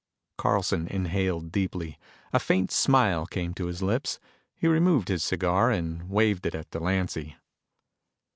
Carlson inhaled deeply. A faint smile came to his lips. He removed his cigar and waved it at Delancy.